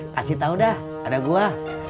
kasih tau dah ada gua